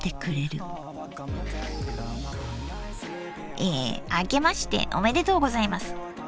『エエあけましておめでとうございます